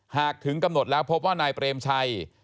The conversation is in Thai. ถึงกำหนดแล้วพบว่านายเปรมชัย